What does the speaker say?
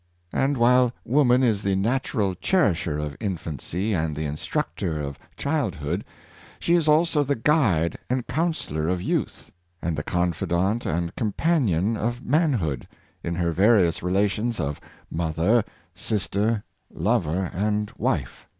And while woman is the natural cherisher of infancy and the instructor of childhood, she is also the guide and counsellor of youth, and the confidant and companion of manhood, in her various relations of mother, sister, lover and wife.